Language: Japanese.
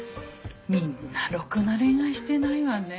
みんなろくな恋愛してないわね。